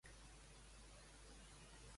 Em podries enumerar les meves llistes?